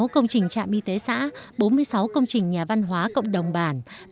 sáu công trình trạm y tế xã bốn mươi sáu công trình nhà văn hóa cộng đồng bản